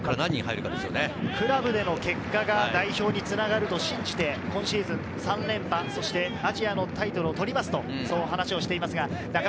クラブでの結果が代表に繋がると信じて今シーズン３連覇、そしてアジアのタイトルを取りますと話をしています。